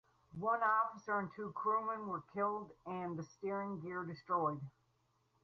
One officer and two crewmen were killed and the steering gear destroyed.